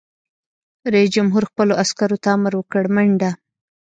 رئیس جمهور خپلو عسکرو ته امر وکړ؛ منډه!